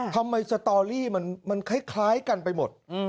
สตอรี่มันคล้ายกันไปหมด